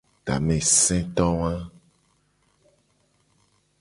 Tameseto wa.